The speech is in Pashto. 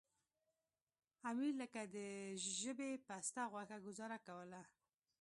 امیر لکه د ژبې پسته غوښه ګوزاره کوله.